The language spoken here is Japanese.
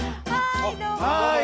はい！